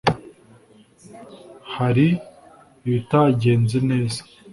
hari ibitagenze neza